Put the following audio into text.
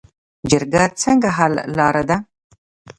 جرګه څنګه حل لاره ده؟